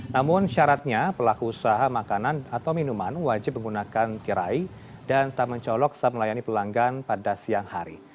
namun syaratnya pelaku usaha makanan atau minuman wajib menggunakan tirai dan tak mencolok saat melayani pelanggan pada siang hari